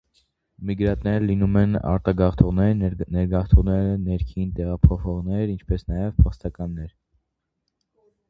Միգրանտները լինում են արտագաղթողներ, ներգաղթողներ, ներքին տեղափոխվողներ, ինչպես նաև փախստականներ։